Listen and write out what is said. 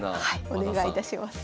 お願いいたします。